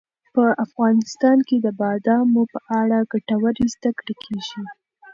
په افغانستان کې د بادامو په اړه ګټورې زده کړې کېږي.